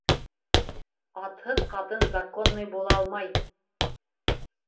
Атһыҙ ҡатын законный булалмай!